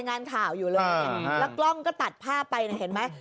งานข่าวอยู่เลยแล้วกล้องก็ตัดภาพไปนะเห็นไหม